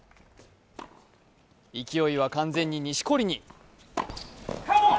勢いは完全に錦織に。